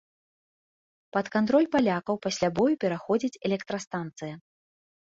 Пад кантроль палякаў пасля бою пераходзіць электрастанцыя.